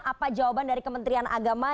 apa jawaban dari kementerian agama